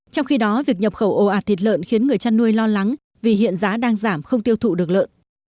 trong khi đó việc nhập khẩu ồ ạt thịt lợn khiến người chăn nuôi lo lắng vì hiện giá đang giảm không tiêu thụ được lợn